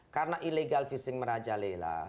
karena illegal fishing merajalela